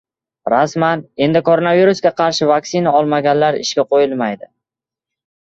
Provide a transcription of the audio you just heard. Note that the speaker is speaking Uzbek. Rasman! Endi koronavirusga qarshi vaksina olmaganlar ishga qo‘yilmaydi